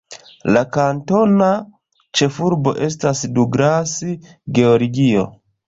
La kantona ĉefurbo estas Douglas, Georgio.